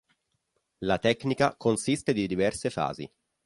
La tecnica consiste di diverse fasi.